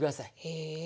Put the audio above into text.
へえ。